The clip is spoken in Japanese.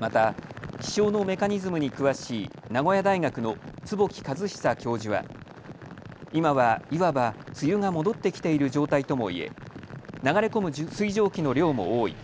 また気象のメカニズムに詳しい名古屋大学の坪木和久教授は今は、いわば梅雨が戻ってきている状態ともいえ流れ込む水蒸気の量も多い。